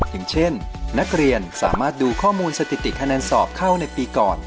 อย่างเช่นนักเรียนสามารถดูข้อมูลสถิติคะแนนสอบเข้าในปีก่อน